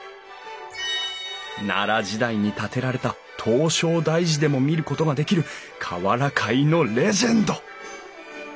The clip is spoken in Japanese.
奈良時代に建てられた唐招提寺でも見ることができる瓦界のレジェンド！